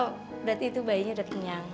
oh berarti itu bayinya udah kenyang